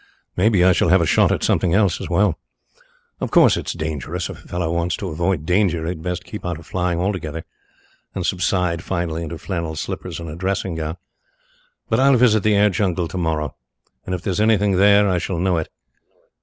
Maybe I shall have a shot at something else as well. Of course, it's dangerous. If a fellow wants to avoid danger he had best keep out of flying altogether and subside finally into flannel slippers and a dressing gown. But I'll visit the air jungle tomorrow and if there's anything there I shall know it.